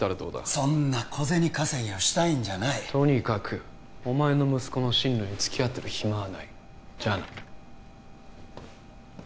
そんな小銭稼ぎをしたいんじゃないとにかくお前の息子の進路につきあってる暇はないじゃあな